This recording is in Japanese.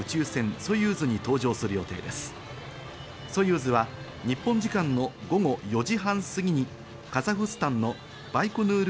ソユーズは日本時間の午後４時半すぎにカザフスタンのバイコヌール